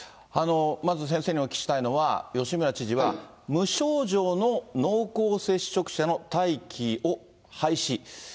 まず先生にお聞きしたいのは、吉村知事は、無症状の濃厚接触者の待機を廃止。